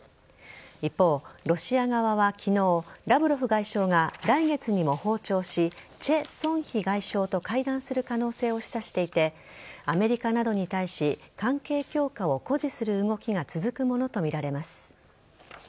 一方、ロシア側は昨日ラブロフ外相が来月にも訪朝しチェ・ソンヒ外相と会談する可能性を示唆していてアメリカなどに対し、関係強化を誇示する動きが続くものとみられます。